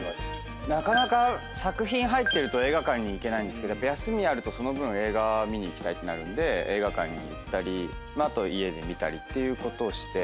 なかなか作品入ってると映画館に行けないんですけど休みあるとその分映画見に行きたいってなるんで映画館に行ったりあと家で見たりっていうことをして。